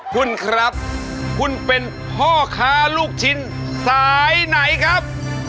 คุณครับคุณเป็นพ่อค้าลูกชิ้นสายไหนครับ